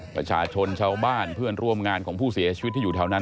ประชาชนชาวบ้านเพื่อนร่วมงานของผู้เสียชีวิตที่อยู่แถวนั้น